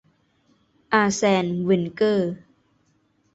อาร์แซน เวนเกอร์